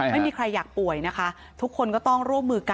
ไม่มีใครอยากป่วยนะคะ